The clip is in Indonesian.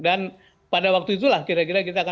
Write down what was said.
dan pada waktu itulah kira kira kita akan